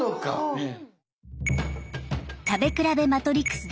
うん。